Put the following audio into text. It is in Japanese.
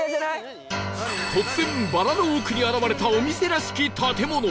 突然バラの奥に現れたお店らしき建物